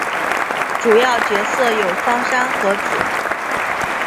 主要角色有芳山和子。